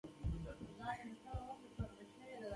د بادامو مغز ولې پوچ کیږي؟